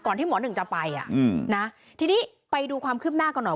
ที่หมอหนึ่งจะไปอ่ะอืมนะทีนี้ไปดูความคืบหน้ากันหน่อย